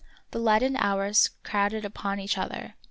The leaden hours crowded upon each other.